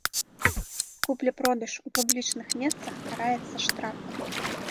Купля-продаж у публічных месцах караецца штрафам.